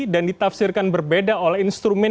dan ditafsirkan berbeda oleh instrumen